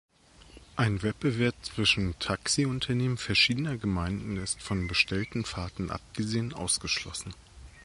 Ein Wettbewerb zwischen Taxiunternehmen verschiedener Gemeinden ist, von bestellten Fahrten abgesehen, ausgeschlossen.